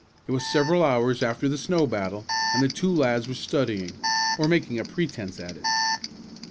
It was several hours after the snow battle, and the two lads were studying, or making a pretense at it.